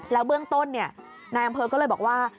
แล้วเบื้องต้นนายอำเภอก็เลยบอกว่า